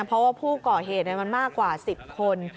เพราะว่าผู้ก่อเหตุมันมากกว่า๑๐คน